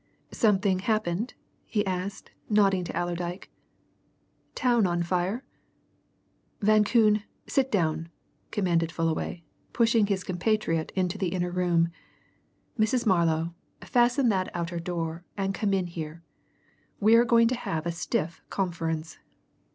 "Something happened?" he asked, nodding to Allerdyke. "Town on fire?" "Van Koon, sit down," commanded Fullaway, pushing his compatriot into the inner room. "Mrs. Marlow, fasten that outer door and come in here. We're going to have a stiff conference.